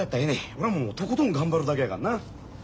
俺はもうとことん頑張るだけやからな。